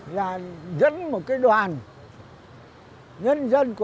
là dẫn một đoàn nhân dân